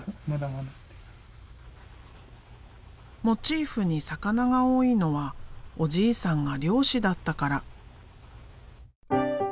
モチーフに魚が多いのはおじいさんが漁師だったから。